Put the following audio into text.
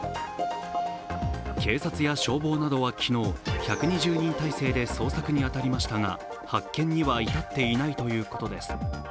警察や消防などは昨日、１２０人態勢で捜索に当たりましたが発見には至っていないということです。